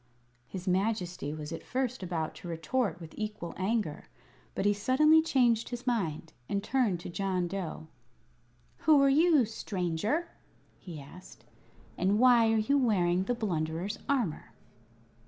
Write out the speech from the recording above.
His Majesty was at first about to retort with equal anger; but he suddenly changed his mind and turned to John Dough. "Who are you, stranger?" he asked. "And why are you wearing the Blunderer's armor?"